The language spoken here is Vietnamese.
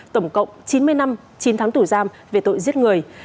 tổng cộng chín mươi năm chín tháng tù giam về tội giết người